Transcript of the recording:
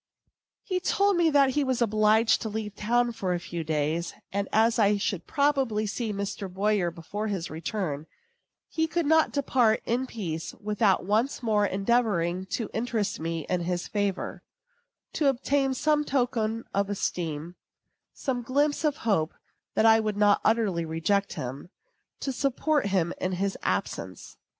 He told me that he was obliged to leave town for a few days; and as I should probably see Mr. Boyer before his return, he could not depart in peace without once more endeavoring to interest me in his favor, to obtain some token of esteem, some glimpse of hope that I would not utterly reject him, to support him in his absence.